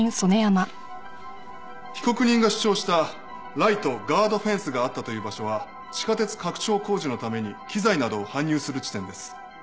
被告人が主張したライトガードフェンスがあったという場所は地下鉄拡張工事のために機材などを搬入する地点です。